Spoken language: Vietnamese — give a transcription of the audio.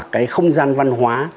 cả không gian văn hóa